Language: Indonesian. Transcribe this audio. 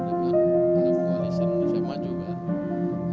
dengan koalisi indonesia majukan